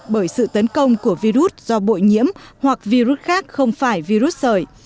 bởi sự tấn công của virus do bội nhiễm hoặc virus khác không phải virus sởi